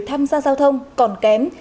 tham gia giao thông còn kém